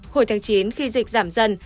hồi tháng chín khi dịch giảm dần